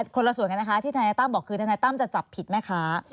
คนละส่วนกันนะคะที่ทนายตั้มบอกคือทนายตั้มจะจับผิดแม่ค้า